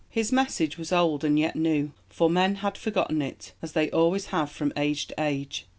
His message was old and yet new for men had forgotten it, as they always have from age to age.